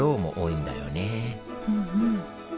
うんうん。